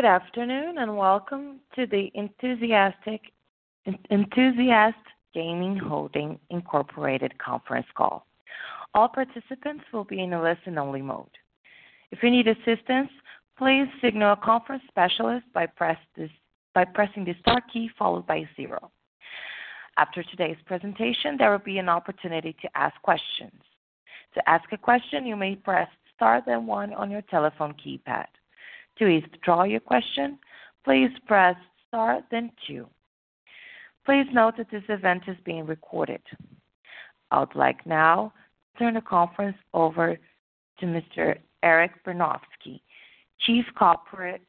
Good afternoon, and welcome to the Enthusiast Gaming Holdings Inc. conference call. All participants will be in a listen-only mode. If you need assistance, please signal a conference specialist by pressing the star key followed by zero. After today's presentation, there will be an opportunity to ask questions. To ask a question, you may press Star then one on your telephone keypad. To withdraw your question, please press Star then two. Please note that this event is being recorded. I would like now to turn the conference over to Mr. Eric Bernofsky, Chief Corporate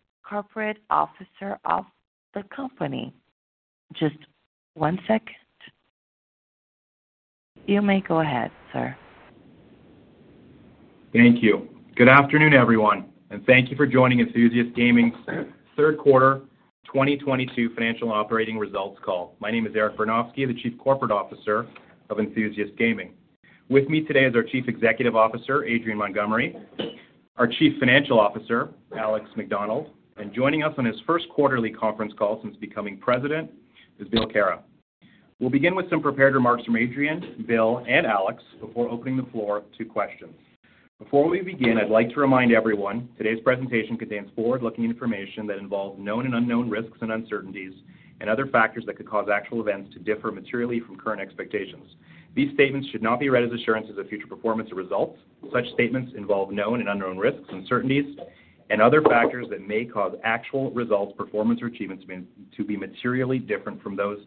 Officer of the company. Just one second. You may go ahead, sir. Thank you. Good afternoon, everyone, and thank you for joining Enthusiast Gaming's Third Quarter 2022 Financial and Operating Results Call. My name is Eric Bernofsky, the Chief Corporate Officer of Enthusiast Gaming. With me today is our Chief Executive Officer, Adrian Montgomery, our Chief Financial Officer, Alex Macdonald, and joining us on his first quarterly conference call since becoming president is Bill Kara. We'll begin with some prepared remarks from Adrian, Bill, and Alex before opening the floor to questions. Before we begin, I'd like to remind everyone today's presentation contains forward-looking information that involves known and unknown risks and uncertainties and other factors that could cause actual events to differ materially from current expectations. These statements should not be read as assurances of future performance or results. Such statements involve known and unknown risks, uncertainties, and other factors that may cause actual results, performance, or achievements to be materially different from those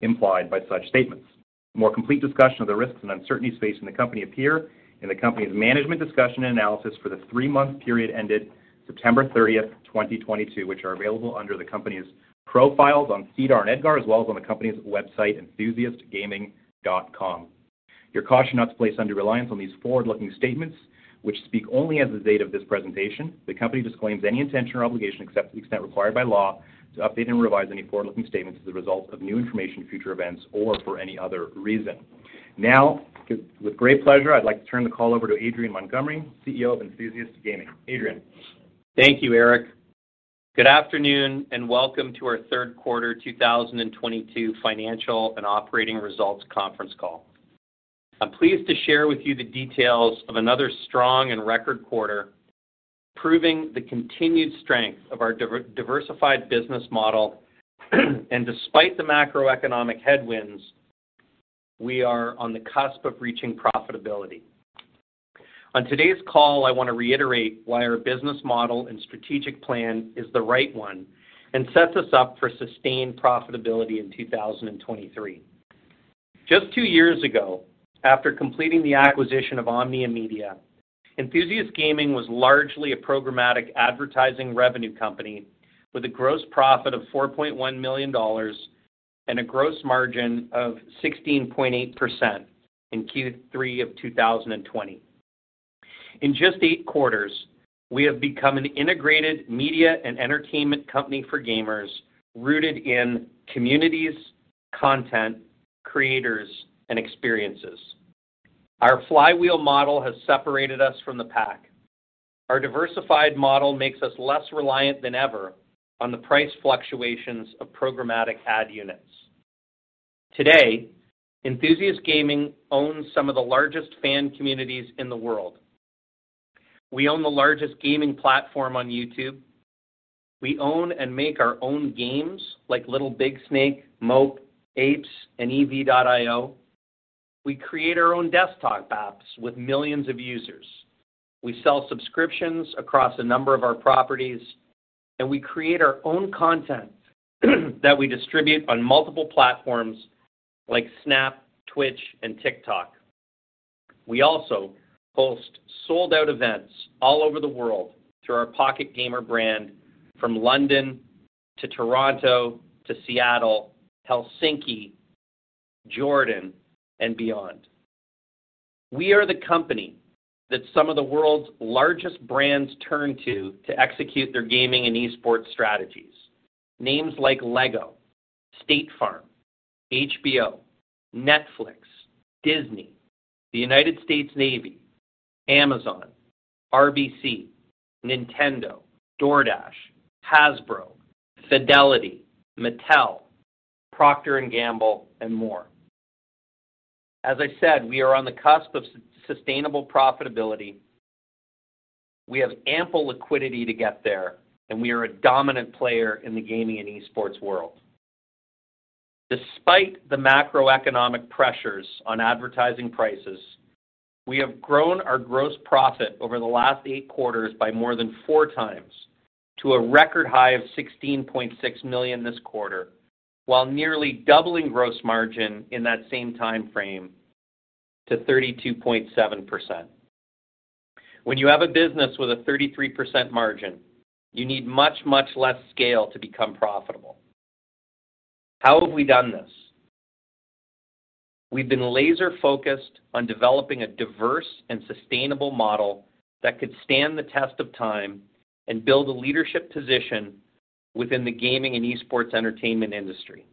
implied by such statements. More complete discussion of the risks and uncertainties facing the company appear in the company's management discussion and analysis for the three-month period ended September 30, 2022, which are available under the company's profiles on SEDAR and EDGAR, as well as on the company's website, enthusiastgaming.com. You're cautioned not to place undue reliance on these forward-looking statements, which speak only as of the date of this presentation. The company disclaims any intention or obligation, except to the extent required by law, to update and revise any forward-looking statements as a result of new information, future events, or for any other reason. Now, with great pleasure, I'd like to turn the call over to Adrian Montgomery, CEO of Enthusiast Gaming. Adrian. Thank you, Eric. Good afternoon, and welcome to our Third Quarter 2022 Financial and Operating Results Conference call. I'm pleased to share with you the details of another strong and record quarter, proving the continued strength of our diversified business model. Despite the macroeconomic headwinds, we are on the cusp of reaching profitability. On today's call, I want to reiterate why our business model and strategic plan is the right one and sets us up for sustained profitability in 2023. Just two years ago, after completing the acquisition of Omnia Media, Enthusiast Gaming was largely a programmatic advertising revenue company with a gross profit of $4.1 million and a gross margin of 16.8% in Q3 of 2020. In just eight quarters, we have become an integrated media and entertainment company for gamers rooted in communities, content, creators, and experiences. Our flywheel model has separated us from the pack. Our diversified model makes us less reliant than ever on the price fluctuations of programmatic ad units. Today, Enthusiast Gaming owns some of the largest fan communities in the world. We own the largest gaming platform on YouTube. We own and make our own games like Little Big Snake, Mope.io, Apes.io, and EV.io. We create our own desktop apps with millions of users. We sell subscriptions across a number of our properties, and we create our own content that we distribute on multiple platforms like Snap, Twitch, and TikTok. We also host sold-out events all over the world through our Pocket Gamer brand from London to Toronto to Seattle, Helsinki, Jordan, and beyond. We are the company that some of the world's largest brands turn to to execute their gaming and esports strategies. Names like Lego, State Farm, HBO, Netflix, Disney, the United States Navy, Amazon, RBC, Nintendo, DoorDash, Hasbro, Fidelity, Mattel, Procter & Gamble, and more. As I said, we are on the cusp of sustainable profitability. We have ample liquidity to get there, and we are a dominant player in the gaming and esports world. Despite the macroeconomic pressures on advertising prices, we have grown our gross profit over the last eight quarters by more than four times to a record high of 16.6 million this quarter, while nearly doubling gross margin in that same time frame to 32.7%. When you have a business with a 33% margin, you need much, much less scale to become profitable. How have we done this? We've been laser-focused on developing a diverse and sustainable model that could stand the test of time and build a leadership position within the gaming and esports entertainment industry.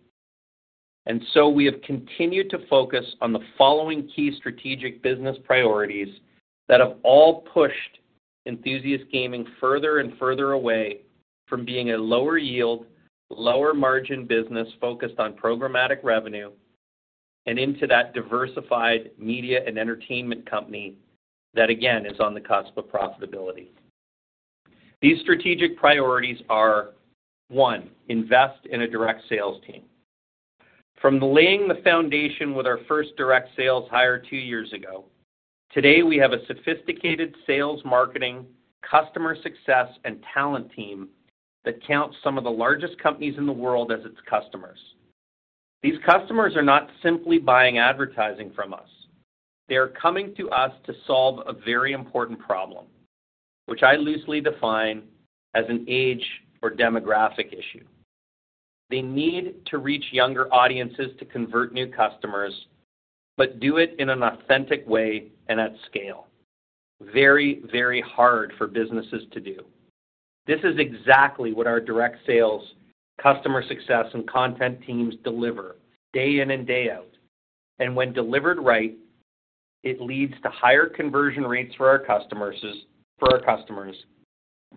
We have continued to focus on the following key strategic business priorities that have all pushed Enthusiast Gaming further and further away from being a lower yield, lower margin business focused on programmatic revenue and into that diversified media and entertainment company that again is on the cusp of profitability. These strategic priorities are one, invest in a direct sales team. From laying the foundation with our first direct sales hire two years ago, today we have a sophisticated sales, marketing, customer success, and talent team that counts some of the largest companies in the world as its customers. These customers are not simply buying advertising from us. They are coming to us to solve a very important problem, which I loosely define as an age or demographic issue. They need to reach younger audiences to convert new customers, but do it in an authentic way and at scale. Very, very hard for businesses to do. This is exactly what our direct sales, customer success, and content teams deliver day in and day out. When delivered right, it leads to higher conversion rates for our customers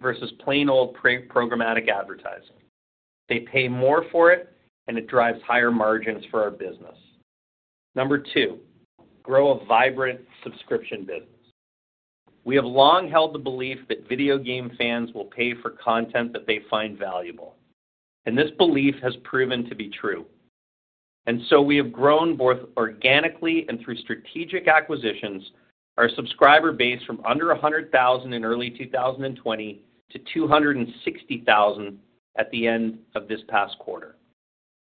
versus plain old programmatic advertising. They pay more for it, and it drives higher margins for our business. Number two, grow a vibrant subscription business. We have long held the belief that video game fans will pay for content that they find valuable. This belief has proven to be true. We have grown both organically and through strategic acquisitions our subscriber base from under 100,000 in early 2020 to 260,000 at the end of this past quarter.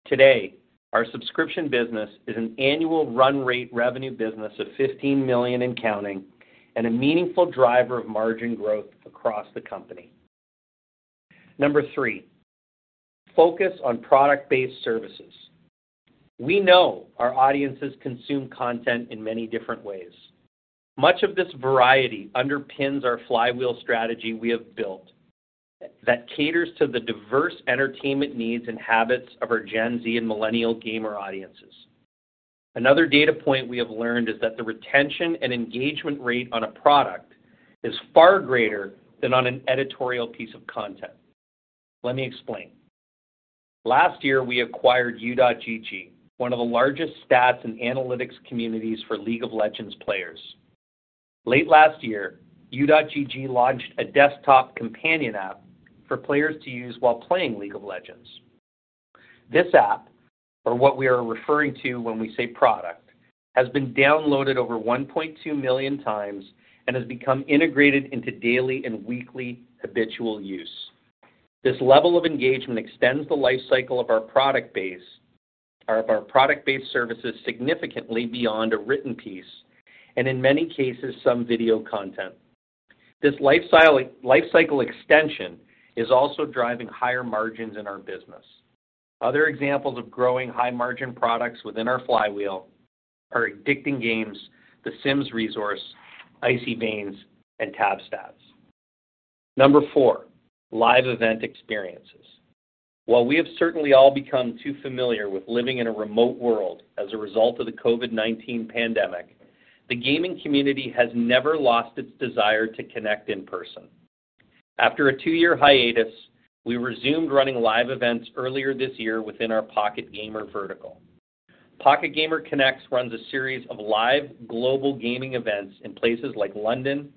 Today, our subscription business is an annual run rate revenue business of $15 million and counting and a meaningful driver of margin growth across the company. Number three, focus on product-based services. We know our audiences consume content in many different ways. Much of this variety underpins our flywheel strategy we have built that caters to the diverse entertainment needs and habits of our Gen Z and millennial gamer audiences. Another data point we have learned is that the retention and engagement rate on a product is far greater than on an editorial piece of content. Let me explain. Last year, we acquired U.GG, one of the largest stats and analytics communities for League of Legends players. Late last year, U.GG launched a desktop companion app for players to use while playing League of Legends. This app, or what we are referring to when we say product, has been downloaded over 1.2 million times and has become integrated into daily and weekly habitual use. This level of engagement extends the life cycle of our product base or of our product-based services significantly beyond a written piece and in many cases, some video content. This life cycle extension is also driving higher margins in our business. Other examples of growing high-margin products within our flywheel are Addicting Games, The Sims Resource, Icy Veins, and TabStats. Number four, live event experiences. While we have certainly all become too familiar with living in a remote world as a result of the COVID-19 pandemic, the gaming community has never lost its desire to connect in person. After a two-year hiatus, we resumed running live events earlier this year within our Pocket Gamer vertical. Pocket Gamer Connects runs a series of live global gaming events in places like London,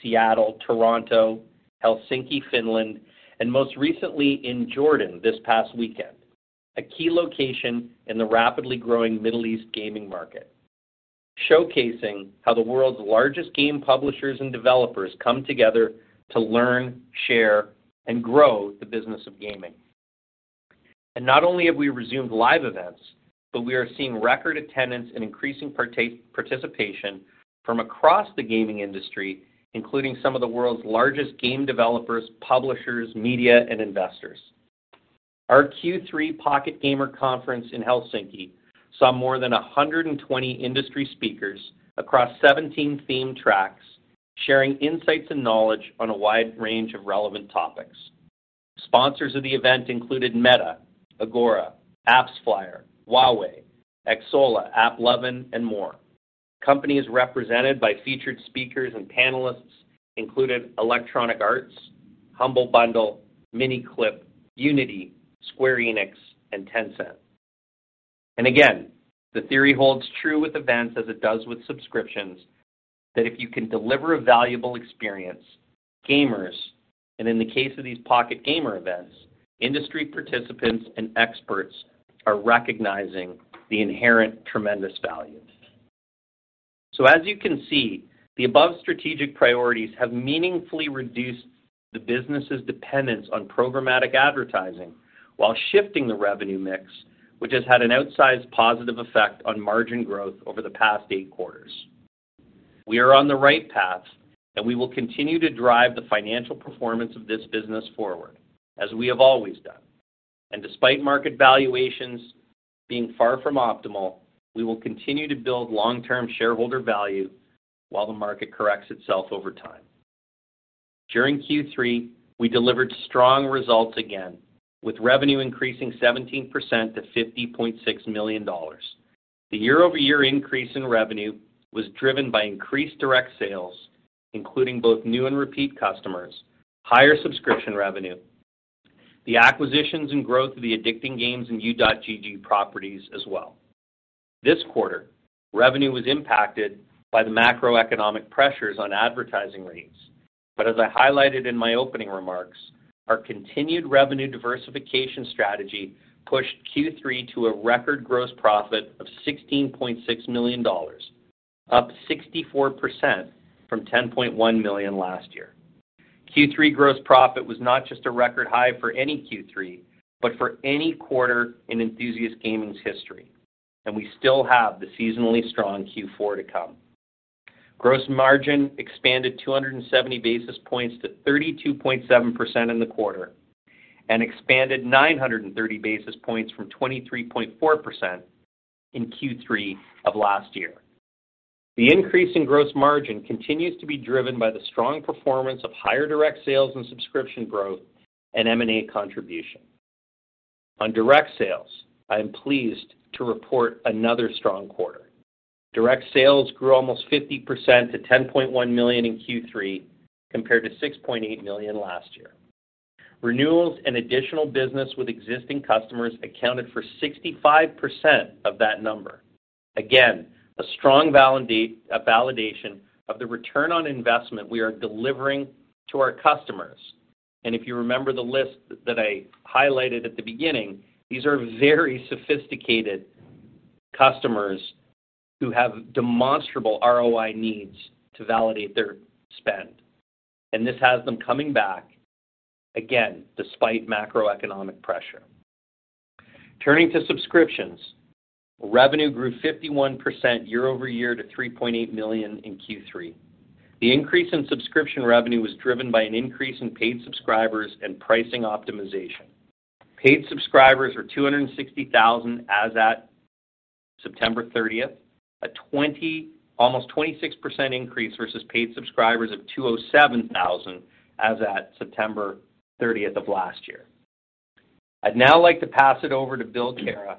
Seattle, Toronto, Helsinki, Finland, and most recently in Jordan this past weekend, a key location in the rapidly growing Middle East gaming market, showcasing how the world's largest game publishers and developers come together to learn, share, and grow the business of gaming. Not only have we resumed live events, but we are seeing record attendance and increasing participation from across the gaming industry, including some of the world's largest game developers, publishers, media, and investors. Our Q3 Pocket Gamer Connects in Helsinki saw more than 120 industry speakers across 17 themed tracks sharing insights and knowledge on a wide range of relevant topics. Sponsors of the event included Meta, Agora, AppsFlyer, Huawei, Xsolla, AppLovin, and more. Companies represented by featured speakers and panelists included Electronic Arts, Humble Bundle, Miniclip, Unity, Square Enix, and Tencent. Again, the theory holds true with events as it does with subscriptions that if you can deliver a valuable experience, gamers, and in the case of these Pocket Gamer Connects events, industry participants and experts are recognizing the inherent tremendous value. As you can see, the above strategic priorities have meaningfully reduced the business's dependence on programmatic advertising while shifting the revenue mix, which has had an outsized positive effect on margin growth over the past eight quarters. We are on the right path, and we will continue to drive the financial performance of this business forward as we have always done. Despite market valuations being far from optimal, we will continue to build long-term shareholder value while the market corrects itself over time. During Q3, we delivered strong results again, with revenue increasing 17% to $50.6 million. The year-over-year increase in revenue was driven by increased direct sales, including both new and repeat customers, higher subscription revenue, the acquisitions and growth of the Addicting Games and U.GG properties as well. This quarter, revenue was impacted by the macroeconomic pressures on advertising rates. As I highlighted in my opening remarks, our continued revenue diversification strategy pushed Q3 to a record gross profit of $16.6 million, up 64% from $10.1 million last year. Q3 gross profit was not just a record high for any Q3, but for any quarter in Enthusiast Gaming's history, and we still have the seasonally strong Q4 to come. Gross margin expanded 270 basis points to 32.7% in the quarter and expanded 930 basis points from 23.4% in Q3 of last year. The increase in gross margin continues to be driven by the strong performance of higher direct sales and subscription growth and M&A contribution. On direct sales, I am pleased to report another strong quarter. Direct sales grew almost 50% to 10.1 million in Q3 compared to 6.8 million last year. Renewals and additional business with existing customers accounted for 65% of that number. Again, a strong validation of the return on investment we are delivering to our customers. If you remember the list that I highlighted at the beginning, these are very sophisticated customers who have demonstrable ROI needs to validate their spend, and this has them coming back again despite macroeconomic pressure. Turning to subscriptions, revenue grew 51% year-over-year to 3.8 million in Q3. The increase in subscription revenue was driven by an increase in paid subscribers and pricing optimization. Paid subscribers were 260,000 as at September thirtieth, almost 26% increase versus paid subscribers of 207,000 as at September thirtieth of last year. I'd now like to pass it over to Bill Kara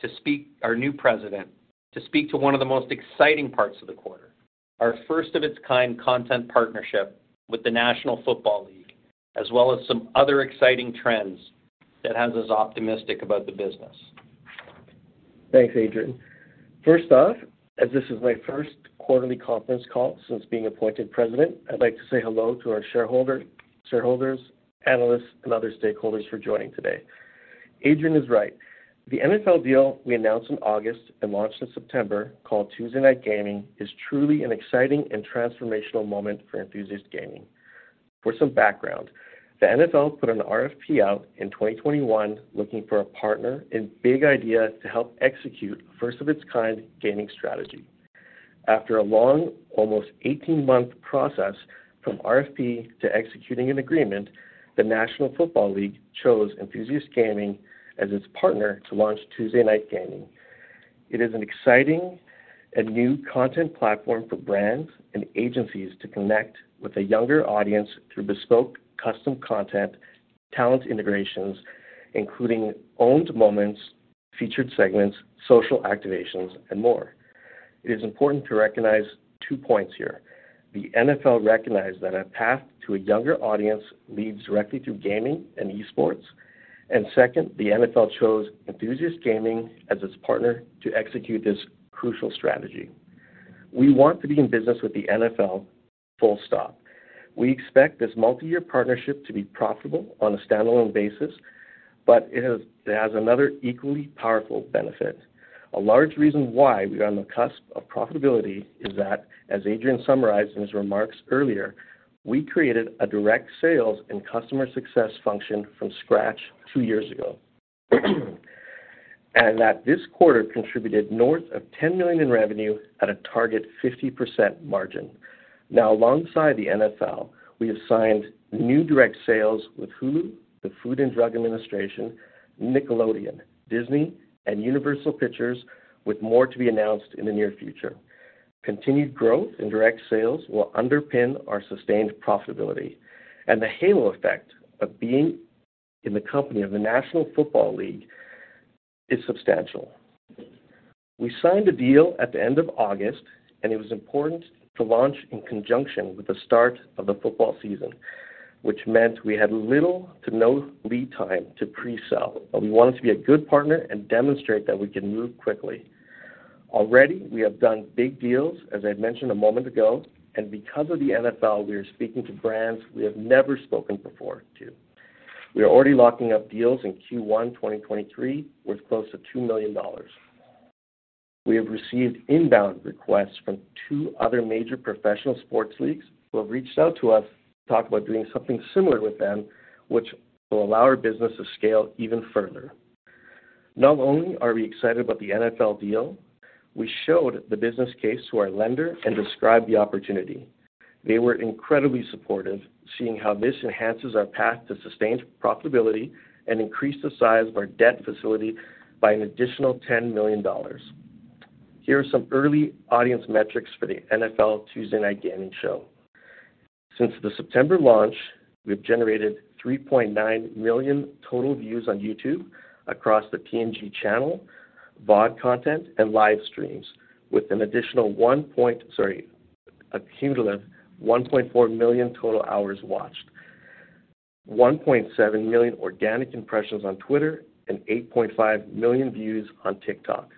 to speak, our new President, to speak to one of the most exciting parts of the quarter, our first of its kind content partnership with the National Football League, as well as some other exciting trends that has us optimistic about the business. Thanks, Adrian. First off, as this is my first quarterly conference call since being appointed president, I'd like to say hello to our shareholder, shareholders, analysts, and other stakeholders for joining today. Adrian is right. The NFL deal we announced in August and launched in September, called Tuesday Night Gaming, is truly an exciting and transformational moment for Enthusiast Gaming. For some background, the NFL put an RFP out in 2021 looking for a partner and big idea to help execute a first-of-its-kind gaming strategy. After a long, almost 18-month process from RFP to executing an agreement, the National Football League chose Enthusiast Gaming as its partner to launch Tuesday Night Gaming. It is an exciting and new content platform for brands and agencies to connect with a younger audience through bespoke custom content, talent integrations, including owned moments, featured segments, social activations, and more. It is important to recognize two points here. The NFL recognized that a path to a younger audience leads directly to gaming and esports. Second, the NFL chose Enthusiast Gaming as its partner to execute this crucial strategy. We want to be in business with the NFL full stop. We expect this multi-year partnership to be profitable on a standalone basis, but it has another equally powerful benefit. A large reason why we are on the cusp of profitability is that, as Adrian summarized in his remarks earlier, we created a direct sales and customer success function from scratch two years ago and that this quarter contributed north of 10 million in revenue at a target 50% margin. Now, alongside the NFL, we have signed new direct sales with Hulu, the Food and Drug Administration, Nickelodeon, Disney, and Universal Pictures, with more to be announced in the near future. Continued growth in direct sales will underpin our sustained profitability. The halo effect of being in the company of the National Football League is substantial. We signed the deal at the end of August, and it was important to launch in conjunction with the start of the football season, which meant we had little to no lead time to pre-sell, but we wanted to be a good partner and demonstrate that we can move quickly. Already, we have done big deals, as I mentioned a moment ago, and because of the NFL, we are speaking to brands we have never spoken to before. We are already locking up deals in Q1 2023 worth close to $2 million. We have received inbound requests from two other major professional sports leagues who have reached out to us to talk about doing something similar with them, which will allow our business to scale even further. Not only are we excited about the NFL deal, we showed the business case to our lender and described the opportunity. They were incredibly supportive, seeing how this enhances our path to sustained profitability and increased the size of our debt facility by an additional 10 million dollars. Here are some early audience metrics for the NFL Tuesday Night Gaming show. Since the September launch, we've generated 3.9 million total views on YouTube across the TNG channel, VOD content, and live streams, with a cumulative 1.4 million total hours watched. 1.7 million organic impressions on Twitter and 8.5 million views on TikTok.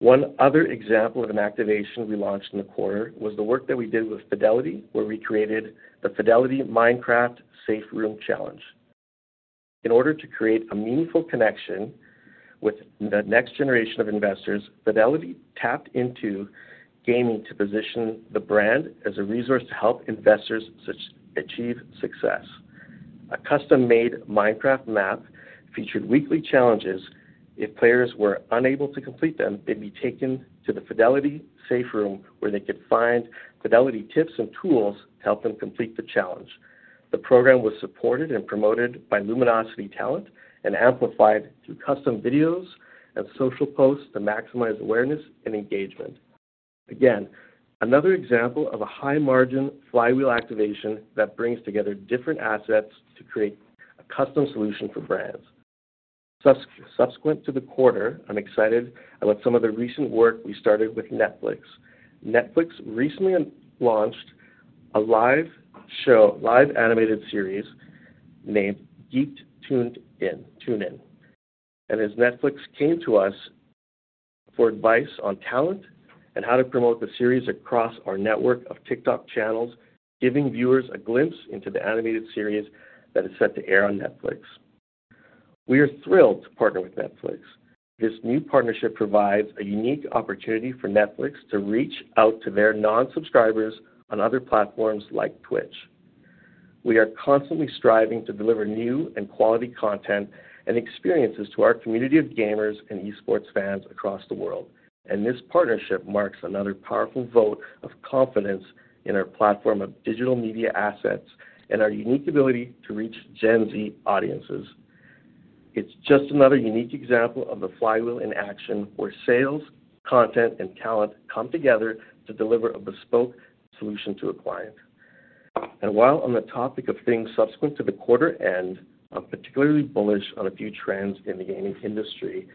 One other example of an activation we launched in the quarter was the work that we did with Fidelity, where we created the Fidelity Minecraft Safe Room Challenge. In order to create a meaningful connection with the next generation of investors, Fidelity tapped into gaming to position the brand as a resource to help investors achieve success. A custom-made Minecraft map featured weekly challenges. If players were unable to complete them, they'd be taken to the Fidelity Safe Room, where they could find Fidelity tips and tools to help them complete the challenge. The program was supported and promoted by Luminosity Talent and amplified through custom videos and social posts to maximize awareness and engagement. Again, another example of a high-margin flywheel activation that brings together different assets to create a custom solution for brands. Subsequent to the quarter, I'm excited about some of the recent work we started with Netflix. Netflix recently launched a live animated series named Geeked: Tune In. As Netflix came to us for advice on talent and how to promote the series across our network of TikTok channels, giving viewers a glimpse into the animated series that is set to air on Netflix. We are thrilled to partner with Netflix. This new partnership provides a unique opportunity for Netflix to reach out to their non-subscribers on other platforms like Twitch. We are constantly striving to deliver new and quality content and experiences to our community of gamers and esports fans across the world, and this partnership marks another powerful vote of confidence in our platform of digital media assets and our unique ability to reach Gen Z audiences. It's just another unique example of the flywheel in action, where sales, content, and talent come together to deliver a bespoke solution to a client. While on the topic of things subsequent to the quarter end, I'm particularly bullish on a few trends in the gaming industry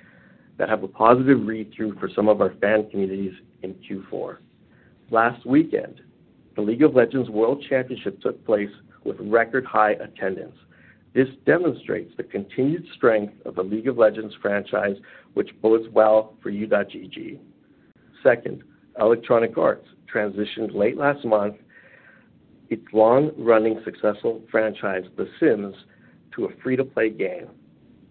that have a positive read-through for some of our fan communities in Q4. Last weekend, the League of Legends World Championship took place with record-high attendance. This demonstrates the continued strength of the League of Legends franchise, which bodes well for U.GG. Second, Electronic Arts transitioned late last month its long-running successful franchise, The Sims, to a free-to-play game.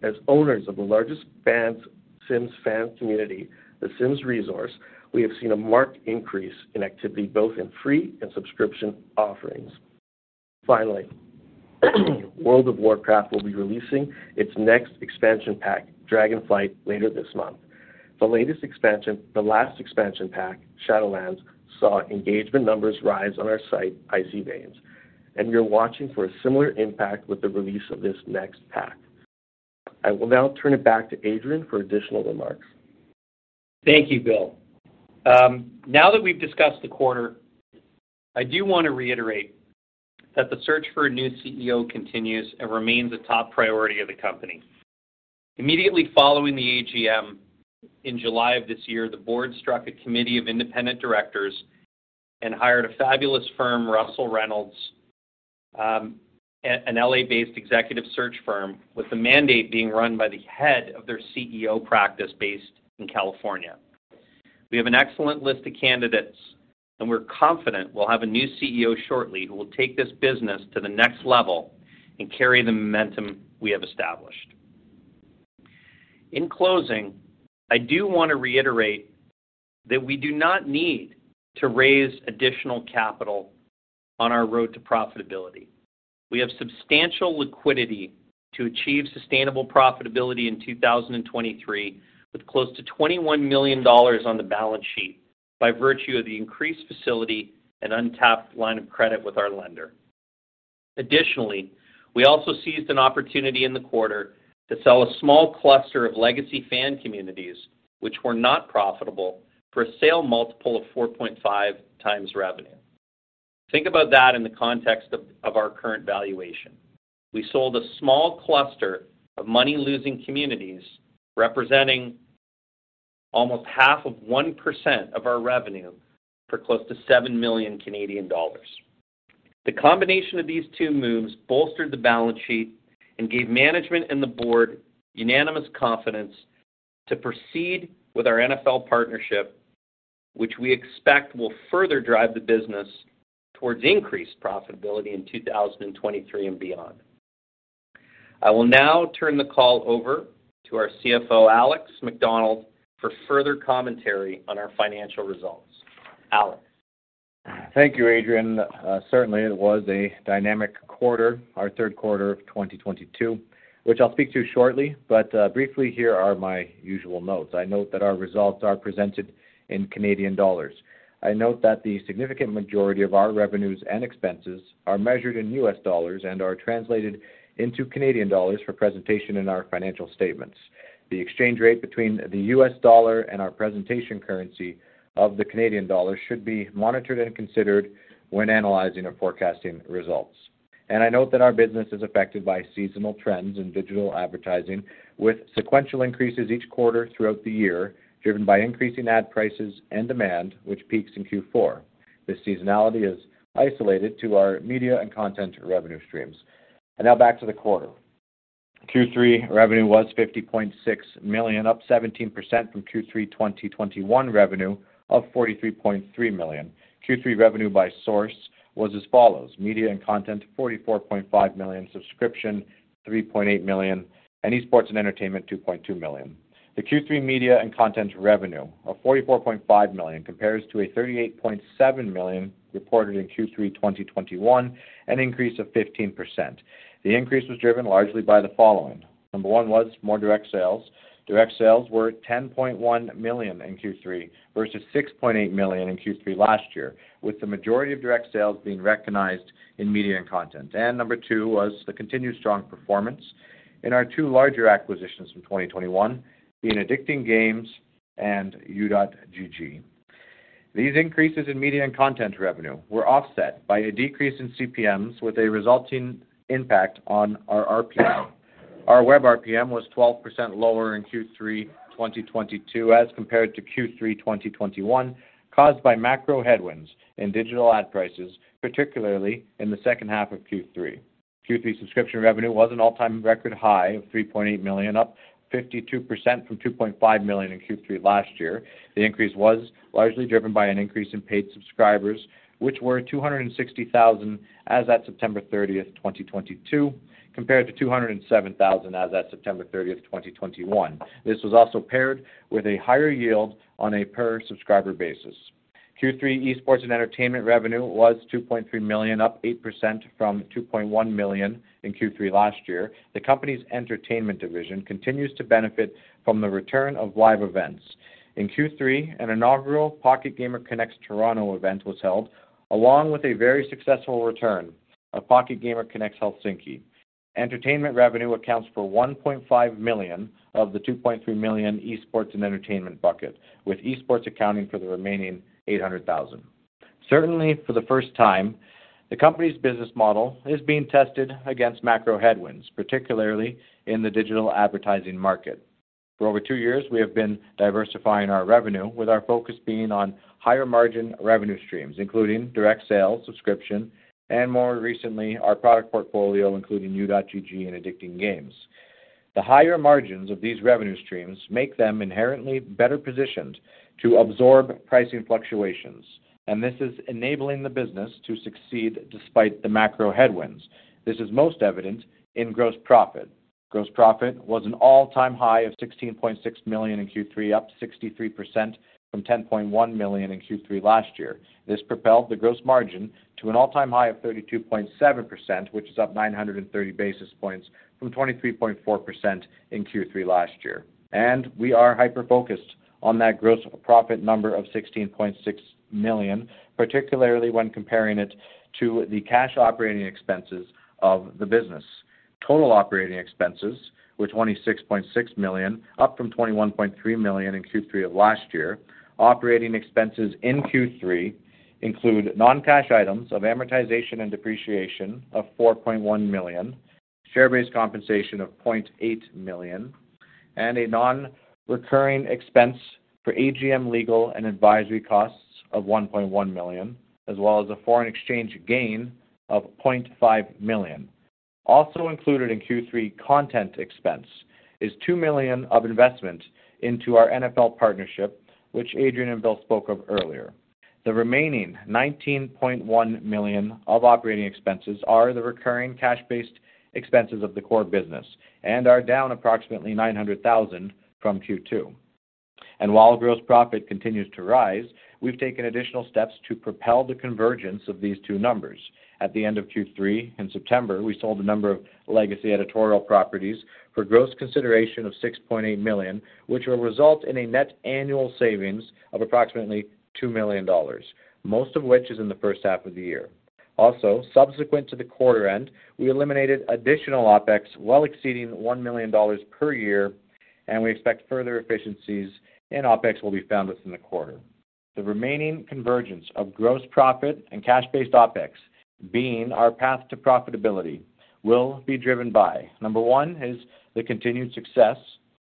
As owners of the largest Sims fan community, The Sims Resource, we have seen a marked increase in activity, both in free and subscription offerings. Finally, World of Warcraft will be releasing its next expansion pack, Dragonflight, later this month. The last expansion pack, Shadowlands, saw engagement numbers rise on our site, Icy Veins, and we are watching for a similar impact with the release of this next pack. I will now turn it back to Adrian for additional remarks. Thank you, Bill. Now that we've discussed the quarter, I do want to reiterate that the search for a new CEO continues and remains a top priority of the company. Immediately following the AGM in July of this year, the board struck a committee of independent directors and hired a fabulous firm, Russell Reynolds Associates, an L.A.-based executive search firm with the mandate being run by the head of their CEO practice based in California. We have an excellent list of candidates, and we're confident we'll have a new CEO shortly who will take this business to the next level and carry the momentum we have established. In closing, I do wanna reiterate that we do not need to raise additional capital on our road to profitability. We have substantial liquidity to achieve sustainable profitability in 2023, with close to 21 million dollars on the balance sheet by virtue of the increased facility and untapped line of credit with our lender. Additionally, we seized an opportunity in the quarter to sell a small cluster of legacy fan communities, which were not profitable, for a sale multiple of 4.5x revenue. Think about that in the context of our current valuation. We sold a small cluster of money-losing communities, representing almost 0.5% of our revenue for close to 7 million Canadian dollars. The combination of these two moves bolstered the balance sheet and gave management and the board unanimous confidence to proceed with our NFL partnership, which we expect will further drive the business towards increased profitability in 2023 and beyond. I will now turn the call over to our CFO, Alex Macdonald, for further commentary on our financial results. Alex. Thank you, Adrian. Certainly, it was a dynamic quarter, our third quarter of 2022, which I'll speak to shortly. Briefly, here are my usual notes. I note that our results are presented in Canadian dollars. I note that the significant majority of our revenues and expenses are measured in US dollars and are translated into Canadian dollars for presentation in our financial statements. The exchange rate between the US dollar and our presentation currency of the Canadian dollar should be monitored and considered when analyzing or forecasting results. I note that our business is affected by seasonal trends in digital advertising, with sequential increases each quarter throughout the year, driven by increasing ad prices and demand, which peaks in Q4. This seasonality is isolated to our media and content revenue streams. Now back to the quarter. Q3 revenue was 50.6 million, up 17% from Q3 2021 revenue of 43.3 million. Q3 revenue by source was as follows. Media and content, 44.5 million, subscription, 3.8 million, and esports and entertainment, 2.2 million. The Q3 media and content revenue of 44.5 million compares to 38.7 million reported in Q3 2021, an increase of 15%. The increase was driven largely by the following. Number one was more direct sales. Direct sales were 10.1 million in Q3 versus 6.8 million in Q3 last year, with the majority of direct sales being recognized in media and content. Number two was the continued strong performance in our two larger acquisitions from 2021 in Addicting Games and U.GG. These increases in media and content revenue were offset by a decrease in CPMs with a resulting impact on our RPM. Our web RPM was 12% lower in Q3 2022 as compared to Q3 2021, caused by macro headwinds in digital ad prices, particularly in the second half of Q3. Q3 subscription revenue was an all-time record high of 3.8 million, up 52% from 2.5 million in Q3 last year. The increase was largely driven by an increase in paid subscribers, which were 260,000 as at September 30, 2022, compared to 207,000 as at September 30, 2021. This was also paired with a higher yield on a per subscriber basis. Q3 esports and entertainment revenue was $2.3 million, up 8% from $2.1 million in Q3 last year. The company's entertainment division continues to benefit from the return of live events. In Q3, an inaugural Pocket Gamer Connects Toronto event was held, along with a very successful return of Pocket Gamer Connects Helsinki. Entertainment revenue accounts for $1.5 million of the $2.3 million esports and entertainment bucket, with esports accounting for the remaining $800,000. Certainly for the first time, the company's business model is being tested against macro headwinds, particularly in the digital advertising market. For over two years, we have been diversifying our revenue, with our focus being on higher margin revenue streams, including direct sales, subscription, and more recently, our product portfolio, including U.GG and Addicting Games. The higher margins of these revenue streams make them inherently better positioned to absorb pricing fluctuations, and this is enabling the business to succeed despite the macro headwinds. This is most evident in gross profit. Gross profit was an all-time high of 16.6 million in Q3, up 63% from 10.1 million in Q3 last year. This propelled the gross margin to an all-time high of 32.7%, which is up 930 basis points from 23.4% in Q3 last year. We are hyper-focused on that gross profit number of 16.6 million, particularly when comparing it to the cash operating expenses of the business. Total operating expenses were 26.6 million, up from 21.3 million in Q3 of last year. Operating expenses in Q3 include non-cash items of amortization and depreciation of 4.1 million, share-based compensation of 0.8 million, and a non-recurring expense for AGM legal and advisory costs of 1.1 million, as well as a foreign exchange gain of 0.5 million. Also included in Q3 content expense is 2 million of investment into our NFL partnership, which Adrian and Bill spoke of earlier. The remaining 19.1 million of operating expenses are the recurring cash-based expenses of the core business and are down approximately 900,000 from Q2. While gross profit continues to rise, we've taken additional steps to propel the convergence of these two numbers. At the end of Q3, in September, we sold a number of legacy editorial properties for gross consideration of $6.8 million, which will result in a net annual savings of approximately $2 million, most of which is in the first half of the year. Also, subsequent to the quarter end, we eliminated additional Opex well exceeding $1 million per year, and we expect further efficiencies in Opex will be found within the quarter. The remaining convergence of gross profit and cash-based Opex being our path to profitability will be driven by. Number one is the continued success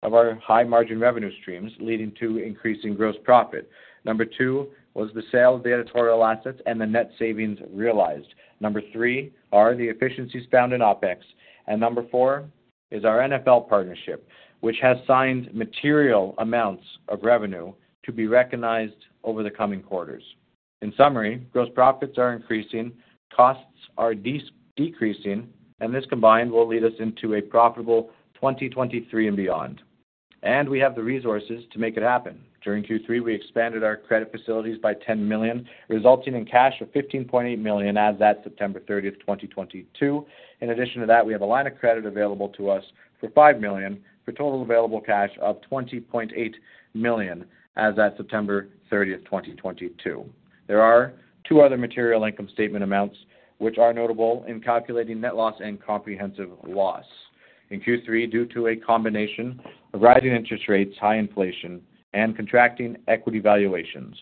of our high-margin revenue streams leading to increasing gross profit. Number two was the sale of the editorial assets and the net savings realized. Number three are the efficiencies found in Opex. Number four is our NFL partnership, which has signed material amounts of revenue to be recognized over the coming quarters. In summary, gross profits are increasing, costs are decreasing, and this combined will lead us into a profitable 2023 and beyond. We have the resources to make it happen. During Q3, we expanded our credit facilities by 10 million, resulting in cash of 15.8 million as at September thirtieth, 2022. In addition to that, we have a line of credit available to us for 5 million for total available cash of 20.8 million as at September thirtieth, 2022. There are two other material income statement amounts which are notable in calculating net loss and comprehensive loss. In Q3, due to a combination of rising interest rates, high inflation, and contracting equity valuations,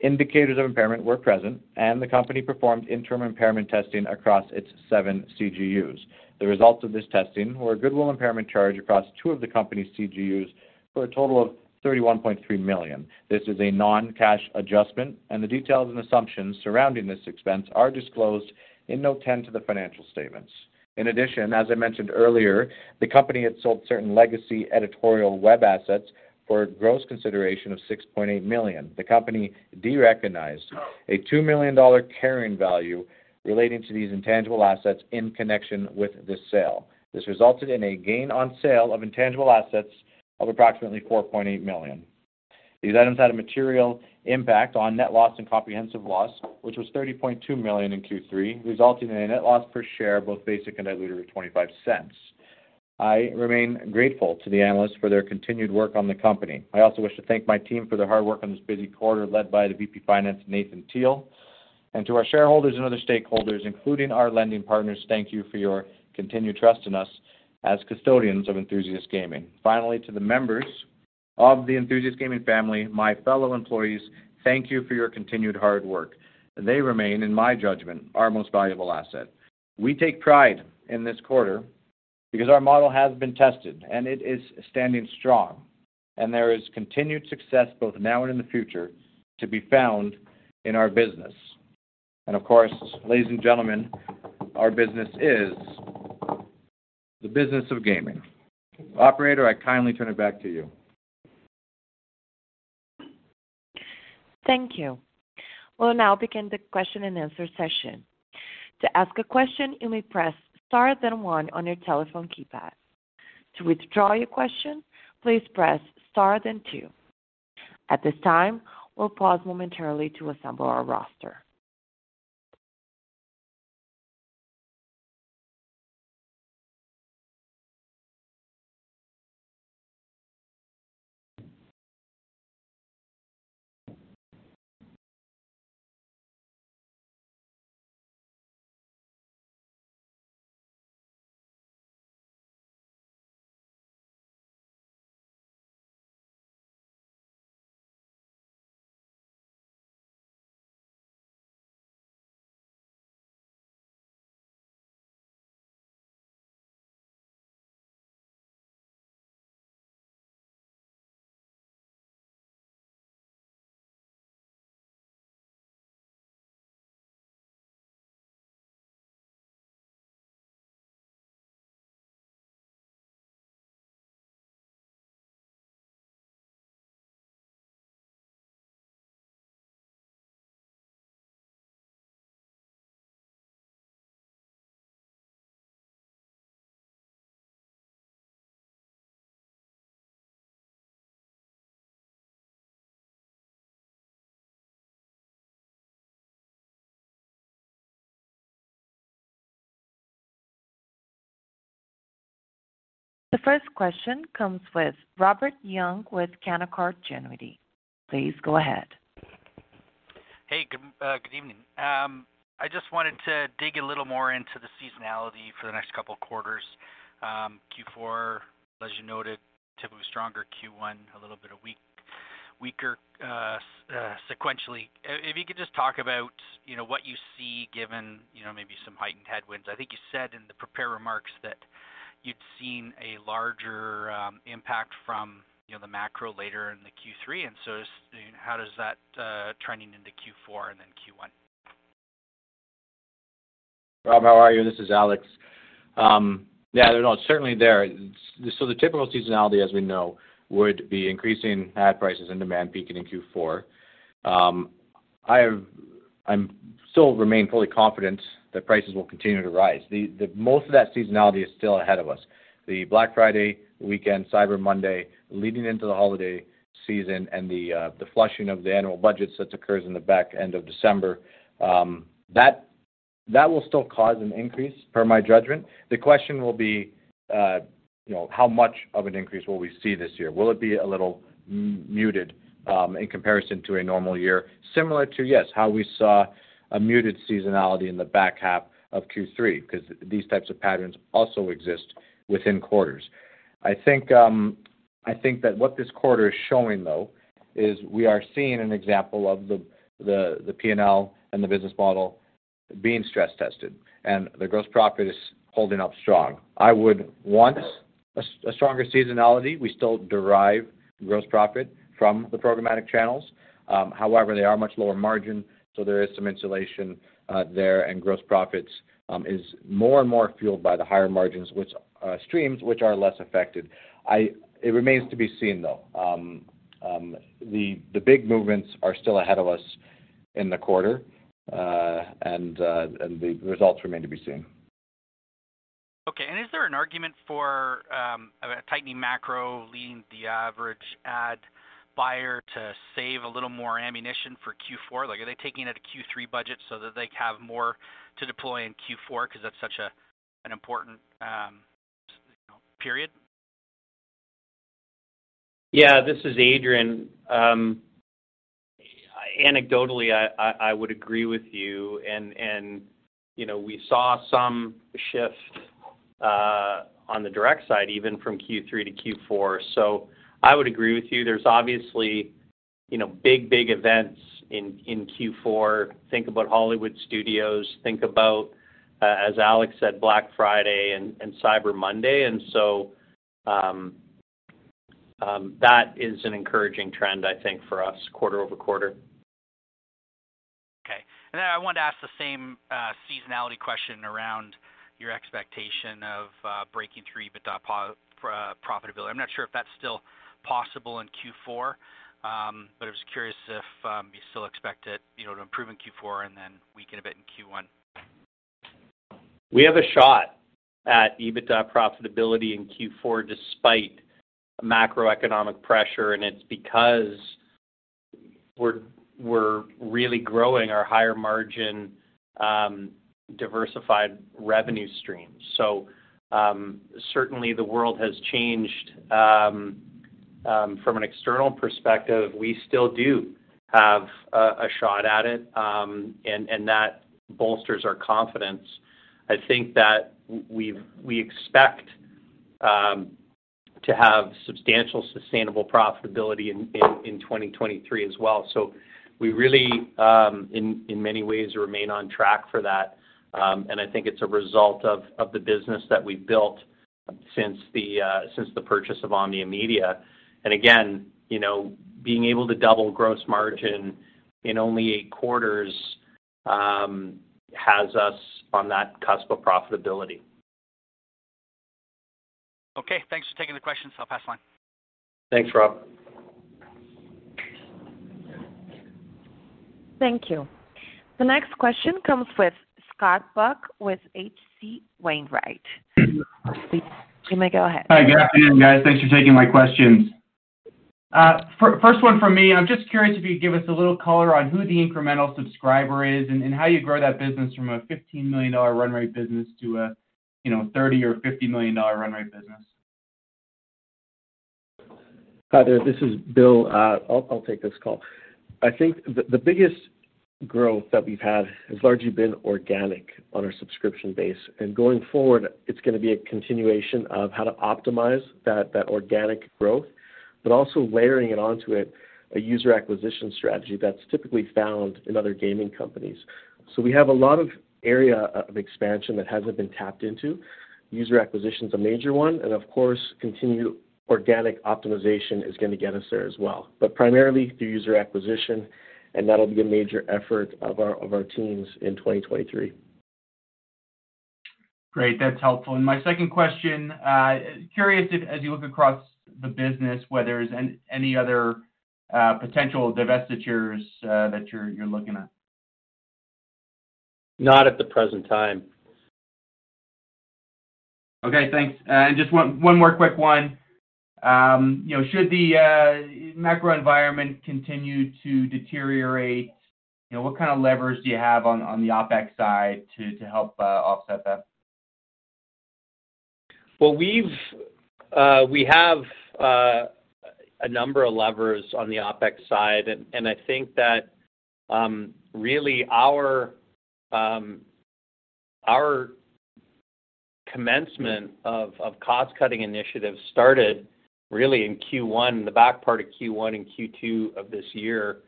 indicators of impairment were present and the company performed interim impairment testing across its seven CGUs. The results of this testing were a goodwill impairment charge across two of the company's CGUs for a total of 31.3 million. This is a non-cash adjustment and the details and assumptions surrounding this expense are disclosed in note 10 to the financial statements. In addition, as I mentioned earlier, the company had sold certain legacy editorial web assets for a gross consideration of 6.8 million. The company derecognized a $2 million dollar carrying value relating to these intangible assets in connection with this sale. This resulted in a gain on sale of intangible assets of approximately 4.8 million. These items had a material impact on net loss and comprehensive loss, which was 30.2 million in Q3, resulting in a net loss per share, both basic and diluted, of 0.25. I remain grateful to the analysts for their continued work on the company. I also wish to thank my team for their hard work on this busy quarter led by the VP Finance, Nathan Teal. To our shareholders and other stakeholders, including our lending partners, thank you for your continued trust in us as custodians of Enthusiast Gaming. Finally, to the members of the Enthusiast Gaming family, my fellow employees, thank you for your continued hard work. They remain, in my judgment, our most valuable asset. We take pride in this quarter because our model has been tested and it is standing strong, and there is continued success both now and in the future to be found in our business. Of course, ladies and gentlemen, our business is the business of gaming. Operator, I kindly turn it back to you. Thank you. We'll now begin the question and answer session. To ask a question, you may press star then one on your telephone keypad. To withdraw your question, please press star then two. At this time, we'll pause momentarily to assemble our roster. The first question comes from Robert Young with Canaccord Genuity. Please go ahead. Hey, good evening. I just wanted to dig a little more into the seasonality for the next couple of quarters. Q4, as you noted, typically stronger Q1, a little bit weaker sequentially. If you could just talk about, you know, what you see given, you know, maybe some heightened headwinds. I think you said in the prepared remarks that you'd seen a larger impact from, you know, the macro later in the Q3. How does that trending into Q4 and then Q1? Rob, how are you? This is Alex. Yeah, no, it's certainly there. The typical seasonality, as we know, would be increasing ad prices and demand peaking in Q4. I'm still remain fully confident that prices will continue to rise. The most of that seasonality is still ahead of us. The Black Friday weekend, Cyber Monday leading into the holiday season and the flushing of the annual budgets that occurs in the back end of December, that will still cause an increase per my judgment. The question will be, you know, how much of an increase will we see this year? Will it be a little muted in comparison to a normal year? Similar to, yes, how we saw a muted seasonality in the back half of Q3 because these types of patterns also exist within quarters. I think that what this quarter is showing, though, is we are seeing an example of the P&L and the business model being stress tested and the gross profit is holding up strong. I would want a stronger seasonality. We still derive gross profit from the programmatic channels. However, they are much lower margin, so there is some insulation there and gross profits is more and more fueled by the higher-margin streams which are less affected. It remains to be seen, though. The big movements are still ahead of us in the quarter, and the results remain to be seen. Okay. Is there an argument for a tightening macro leading the average ad buyer to save a little more ammunition for Q4? Like, are they taking a hit to a Q3 budget so that they have more to deploy in Q4 because that's such an important, you know, period? Yeah, this is Adrian. Anecdotally, I would agree with you and, you know, we saw some shift on the direct side, even from Q3 to Q4. I would agree with you. There's obviously, you know, big events in Q4. Think about Hollywood Studios. Think about, as Alex said, Black Friday and Cyber Monday. That is an encouraging trend, I think, for us quarter-over-quarter. Okay. I wanted to ask the same seasonality question around your expectation of breaking through EBITDA profitability. I'm not sure if that's still possible in Q4, but I was curious if you still expect it, you know, to improve in Q4 and then weaken a bit in Q1. We have a shot at EBITDA profitability in Q4 despite macroeconomic pressure, and it's because we're really growing our higher margin diversified revenue streams. Certainly the world has changed from an external perspective. We still do have a shot at it, and that bolsters our confidence. I think that we expect to have substantial sustainable profitability in 2023 as well. We really, in many ways, remain on track for that. I think it's a result of the business that we've built since the purchase of Omnia Media. Again, you know, being able to double gross margin in only eight quarters has us on that cusp of profitability. Okay, thanks for taking the questions. I'll pass the line. Thanks, Rob. Thank you. The next question comes from Scott Buck with H.C. Wainwright. You may go ahead. Hi. Good afternoon, guys. Thanks for taking my questions. First one from me, I'm just curious if you could give us a little color on who the incremental subscriber is and how you grow that business from a $15 million run rate business to a $30 or $50 million run rate business. Hi there. This is Bill. I'll take this call. I think the biggest growth that we've had has largely been organic on our subscription base. Going forward, it's gonna be a continuation of how to optimize that organic growth, but also layering it onto a user acquisition strategy that's typically found in other gaming companies. We have a lot of area of expansion that hasn't been tapped into. User acquisition is a major one, and of course, continued organic optimization is gonna get us there as well. Primarily through user acquisition, and that'll be a major effort of our teams in 2023. Great. That's helpful. My second question, curious if as you look across the business, whether there's any other potential divestitures that you're looking at? Not at the present time. Okay, thanks. Just one more quick one. You know, should the macro environment continue to deteriorate, you know, what kind of levers do you have on the Opex side to help offset that? Well, we have a number of levers on the Opex side. I think that really our commencement of cost-cutting initiatives started really in Q1, the back part of Q1 and Q2 of this year.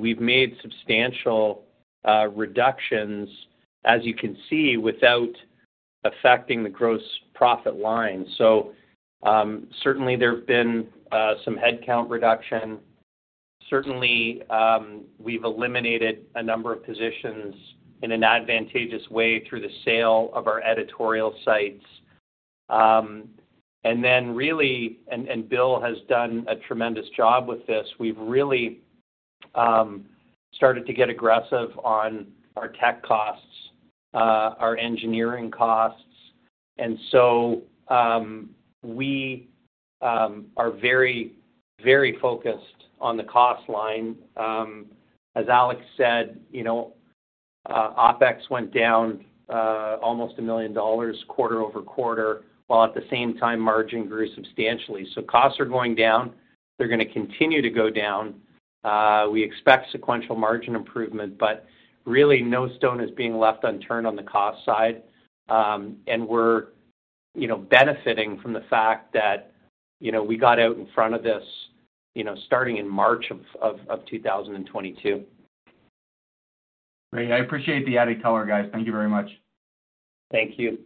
We've made substantial reductions, as you can see, without affecting the gross profit line. Certainly there have been some headcount reduction. Certainly, we've eliminated a number of positions in an advantageous way through the sale of our editorial sites. Bill has done a tremendous job with this, we've really started to get aggressive on our tech costs, our engineering costs. We are very, very focused on the cost line. As Alex said, you know, Opex went down almost $1 million quarter-over-quarter, while at the same time margin grew substantially. Costs are going down. They're gonna continue to go down. We expect sequential margin improvement, but really no stone is being left unturned on the cost side. We're, you know, benefiting from the fact that, you know, we got out in front of this, you know, starting in March of 2022. Great. I appreciate the added color, guys. Thank you very much. Thank you.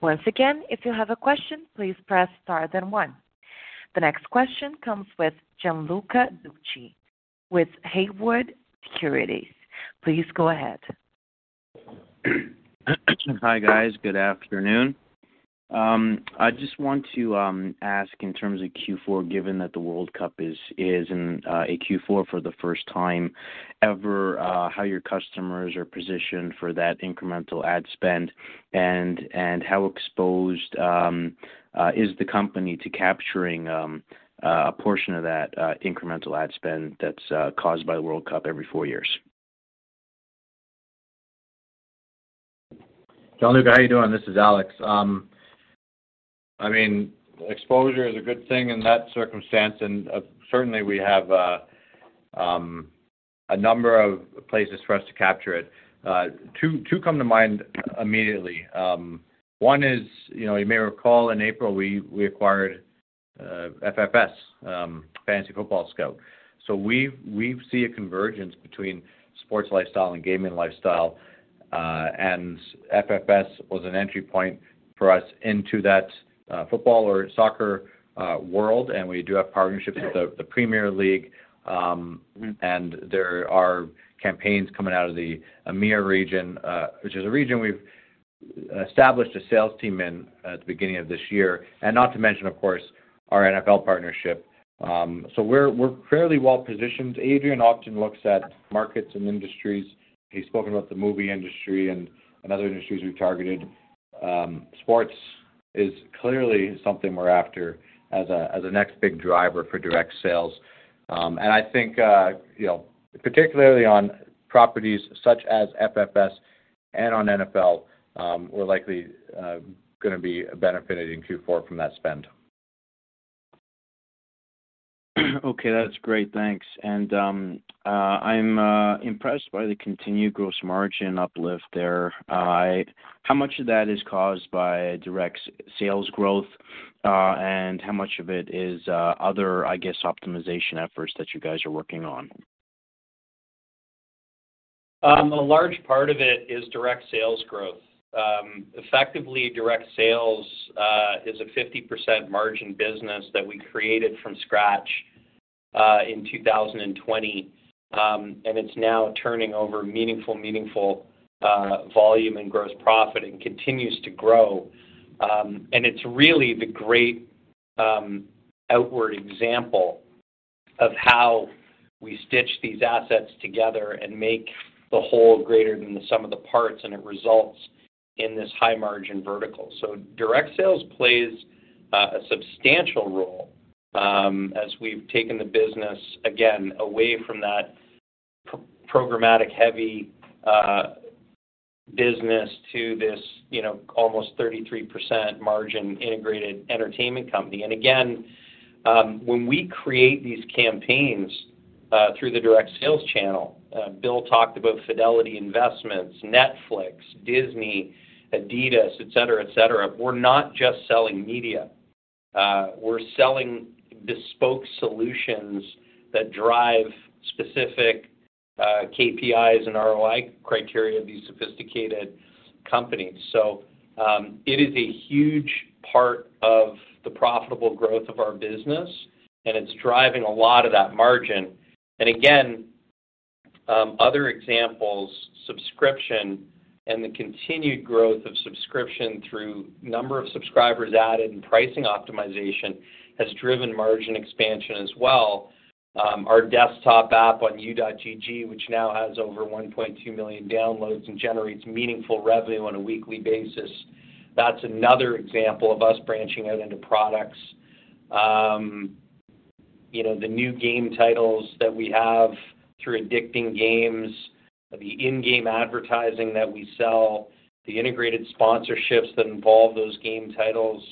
Once again, if you have a question, please press star then one. The next question comes with Gianluca Tucci with Haywood Securities. Please go ahead. Hi, guys. Good afternoon. I just want to ask in terms of Q4, given that the World Cup is in Q4 for the first time ever, how your customers are positioned for that incremental ad spend, and how exposed is the company to capturing a portion of that incremental ad spend that's caused by the World Cup every four years? Gianluca Tucci, how are you doing? This is Alex. I mean, exposure is a good thing in that circumstance, and certainly we have a number of places for us to capture it. Two come to mind immediately. One is, you know, you may recall in April we acquired FFS, Fantasy Football Scout. We see a convergence between sports lifestyle and gaming lifestyle, and FFS was an entry point for us into that football or soccer world, and we do have partnerships with the Premier League. There are campaigns coming out of the EMEA region, which is a region we've established a sales team in at the beginning of this year. Not to mention, of course, our NFL partnership. We're fairly well-positioned. Adrian often looks at markets and industries. He's spoken about the movie industry and other industries we've targeted. Sports is clearly something we're after as a next big driver for direct sales. I think, you know, particularly on properties such as FFS and on NFL, we're likely gonna be benefiting in Q4 from that spend. Okay, that's great. Thanks. I'm impressed by the continued gross margin uplift there. How much of that is caused by direct sales growth, and how much of it is other, I guess, optimization efforts that you guys are working on? A large part of it is direct sales growth. Effectively, direct sales is a 50% margin business that we created from scratch in 2020. It's now turning over meaningful volume and gross profit and continues to grow. It's really the great outward example of how we stitch these assets together and make the whole greater than the sum of the parts, and it results in this high-margin vertical. Direct sales plays a substantial role as we've taken the business, again, away from that programmatic-heavy business to this, you know, almost 33% margin integrated entertainment company. Again, when we create these campaigns through the direct sales channel, Bill talked about Fidelity Investments, Netflix, Disney, adidas, et cetera. We're not just selling media. We're selling bespoke solutions that drive specific KPIs and ROI criteria of these sophisticated companies. It is a huge part of the profitable growth of our business, and it's driving a lot of that margin. Again, other examples, subscription and the continued growth of subscription through number of subscribers added and pricing optimization has driven margin expansion as well. Our desktop app on U.GG, which now has over 1.2 million downloads and generates meaningful revenue on a weekly basis. That's another example of us branching out into products. You know, the new game titles that we have through Addicting Games, the in-game advertising that we sell, the integrated sponsorships that involve those game titles,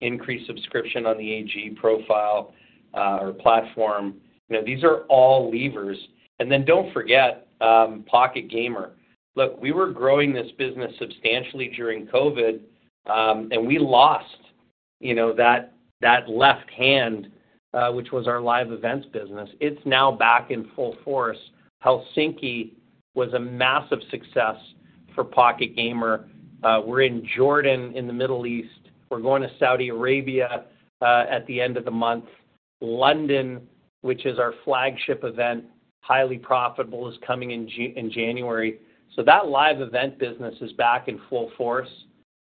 increased subscription on the AG profile, or platform. You know, these are all levers. Don't forget Pocket Gamer. Look, we were growing this business substantially during COVID, and we lost, you know, that left hand, which was our live events business. It's now back in full force. Helsinki was a massive success for Pocket Gamer. We're in Jordan in the Middle East. We're going to Saudi Arabia at the end of the month. London, which is our flagship event, highly profitable, is coming in January. That live event business is back in full force.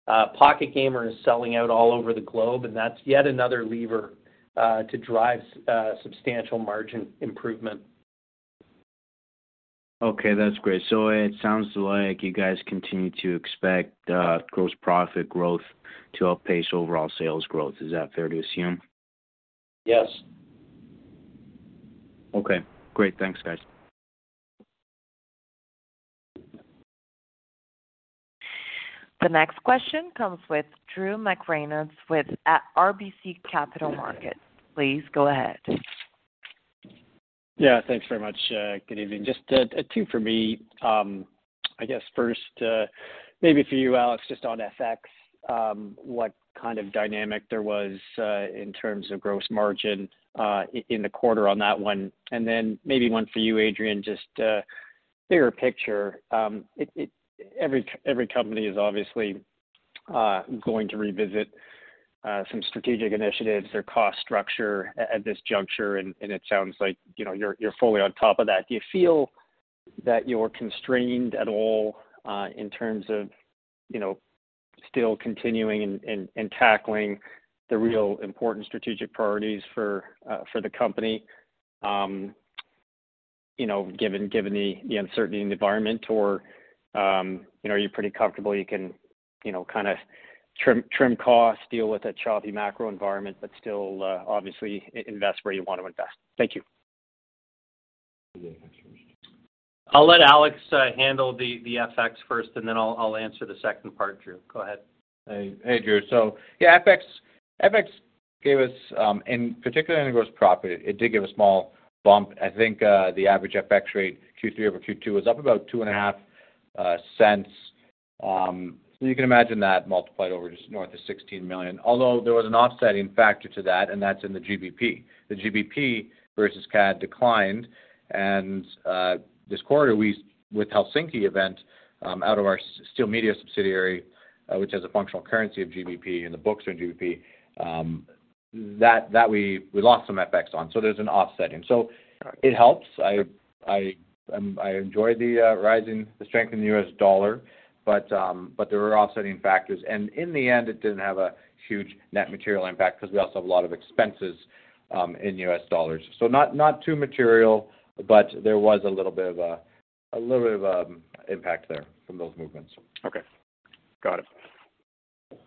Pocket Gamer is selling out all over the globe, and that's yet another lever to drive substantial margin improvement. Okay, that's great. It sounds like you guys continue to expect gross profit growth to outpace overall sales growth. Is that fair to assume? Yes. Okay, great. Thanks, guys. The next question comes from Drew McReynolds with RBC Capital Markets. Please go ahead. Yeah, thanks very much. Good evening. Just two for me. I guess first, maybe for you, Alex, just on FX, what kind of dynamic there was in terms of gross margin in the quarter on that one? Maybe one for you, Adrian, just bigger picture. Every company is obviously going to revisit some strategic initiatives, their cost structure at this juncture, and it sounds like, you know, you're fully on top of that. Do you feel that you're constrained at all, in terms of, you know, still continuing and tackling the real important strategic priorities for the company? You know, given the uncertainty in the environment or, you know, are you pretty comfortable you can, you know, kinda trim costs, deal with that choppy macro environment, but still, obviously invest where you wanna invest? Thank you. I'll let Alex handle the FX first, and then I'll answer the second part, Drew. Go ahead. Hey. Hey, Drew. Yeah, FX gave us, and particularly in gross profit, it did give a small bump. I think the average FX rate Q3 over Q2 was up about 2.5 cents. You can imagine that multiplied over just north of 16 million. Although there was an offsetting factor to that, and that's in the GBP. The GBP versus CAD declined and this quarter with Helsinki event out of our Steel Media subsidiary, which has a functional currency of GBP, and the books are in GBP, that we lost some FX on. There's an offsetting. It helps. I enjoy the strength in the US dollar, but there were offsetting factors. In the end, it didn't have a huge net material impact 'cause we also have a lot of expenses in U.S. dollars. Not too material, but there was a little bit of impact there from those movements. Okay. Got it.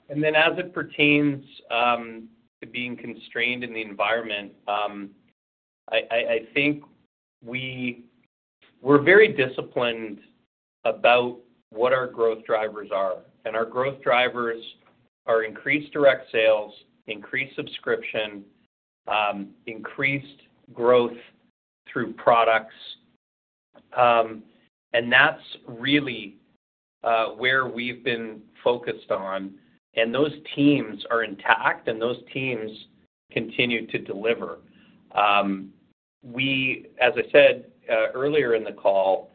Then as it pertains to being constrained in the environment, I think we're very disciplined about what our growth drivers are. Our growth drivers are increased direct sales, increased subscription, increased growth through products. That's really where we've been focused on. Those teams are intact, and those teams continue to deliver. As I said earlier in the call,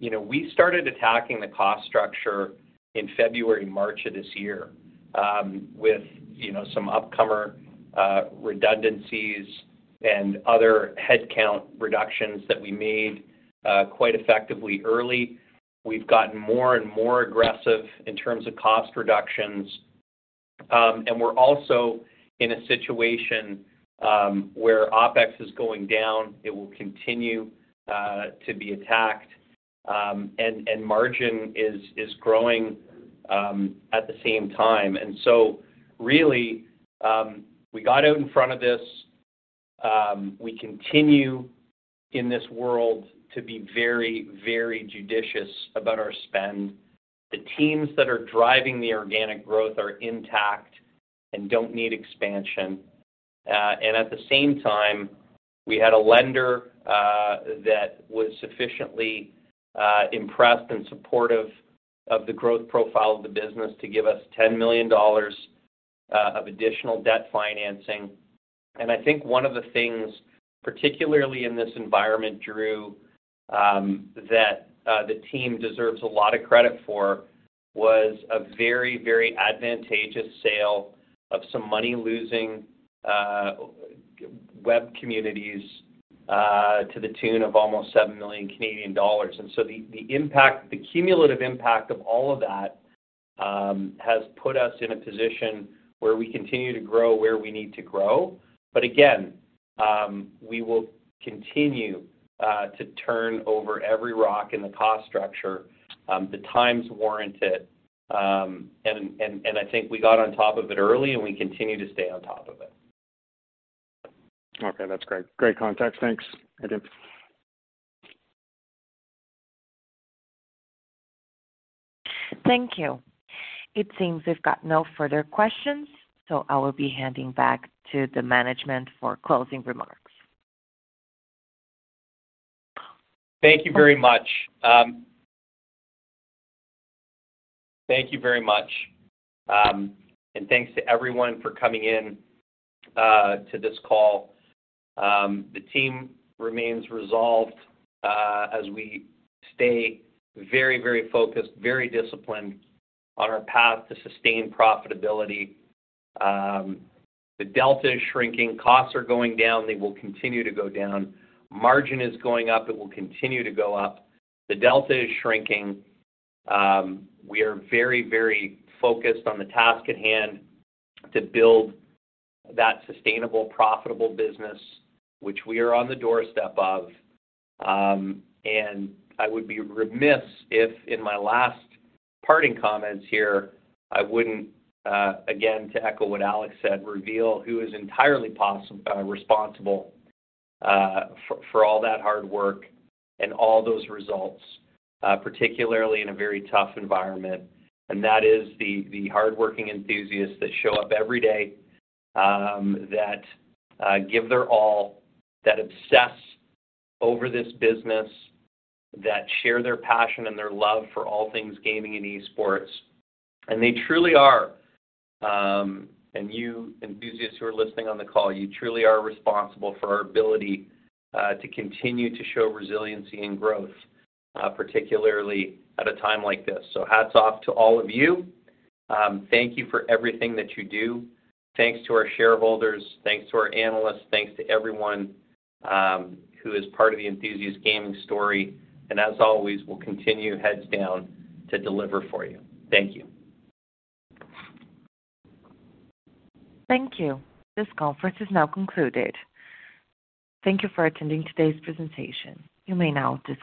you know, we started attacking the cost structure in February, March of this year, with some upcoming redundancies and other headcount reductions that we made quite effectively early. We've gotten more and more aggressive in terms of cost reductions. We're also in a situation where Opex is going down. It will continue to be attacked. Margin is growing at the same time. Really, we got out in front of this. We continue in this world to be very, very judicious about our spend. The teams that are driving the organic growth are intact and don't need expansion. At the same time, we had a lender that was sufficiently impressed and supportive of the growth profile of the business to give us $10 million of additional debt financing. I think one of the things, particularly in this environment, Drew, that the team deserves a lot of credit for, was a very, very advantageous sale of some money-losing web communities to the tune of almost 7 million Canadian dollars. The impact, the cumulative impact of all of that, has put us in a position where we continue to grow where we need to grow. Again, we will continue to turn over every rock in the cost structure. The times warrant it. I think we got on top of it early, and we continue to stay on top of it. Okay. That's great. Great context. Thanks. Thank you. It seems we've got no further questions, so I will be handing back to the management for closing remarks. Thank you very much. Thank you very much. Thanks to everyone for coming in to this call. The team remains resolved as we stay very, very focused, very disciplined on our path to sustained profitability. The delta is shrinking. Costs are going down. They will continue to go down. Margin is going up. It will continue to go up. The delta is shrinking. We are very, very focused on the task at hand to build that sustainable, profitable business which we are on the doorstep of. I would be remiss if, in my last parting comments here, I didn't again to echo what Alex said, reveal who is entirely responsible for all that hard work and all those results, particularly in a very tough environment. That is the hardworking enthusiasts that show up every day, that give their all, that obsess over this business, that share their passion and their love for all things gaming and e-sports. They truly are, and you enthusiasts who are listening on the call, you truly are responsible for our ability to continue to show resiliency and growth, particularly at a time like this. Hats off to all of you. Thank you for everything that you do. Thanks to our shareholders. Thanks to our analysts. Thanks to everyone who is part of the Enthusiast Gaming story. As always, we'll continue heads down to deliver for you. Thank you. Thank you. This conference is now concluded. Thank you for attending today's presentation. You may now disconnect.